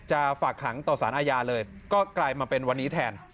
ฝากขังต่อสารอาญาเลยก็กลายมาเป็นวันนี้แทน